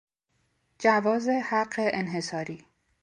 جواز حق انحصاری